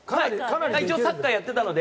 一応、サッカーやってたので。